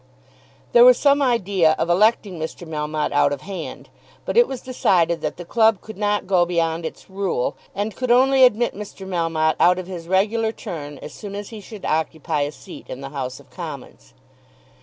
There was some idea of electing Mr. Melmotte out of hand, but it was decided that the club could not go beyond its rule, and could only admit Mr. Melmotte out of his regular turn as soon as he should occupy a seat in the House of Commons.